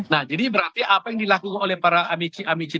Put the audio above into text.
nah jadi berarti apa yang dilakukan oleh para amisi amisi